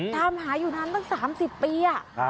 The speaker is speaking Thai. ทำหาอยู่นั้นตั้ง๓๐ปี